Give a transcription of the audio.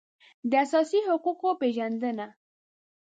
د اساسي حقوقو پېژندنه